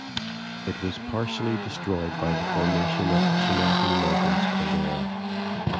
It was partially destroyed by the formation of the Chinati Mountains Caldera.